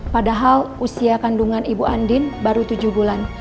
padahal usia kandungan ibu andin baru tujuh bulan